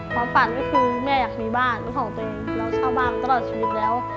ความฝันก็คือแม่อยากมีบ้านเป็นของตัวเองเราเช่าบ้านตลอดชีวิตแล้ว